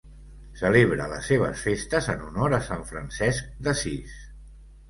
Celebra les seves festes en honor a Sant Francesc d'Assís.